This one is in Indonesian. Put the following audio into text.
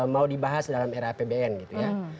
mau dibahas dalam era apbn gitu ya